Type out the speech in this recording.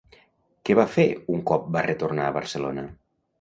Què va fer un cop va retornar a Barcelona?